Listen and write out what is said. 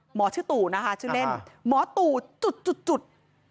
หมอชื่อตู่นะคะชื่อเล่นหมอตู่จุด